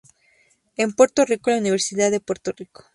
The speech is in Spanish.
En Puerto Rico la Universidad de Puerto Rico.